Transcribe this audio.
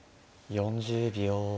４０秒。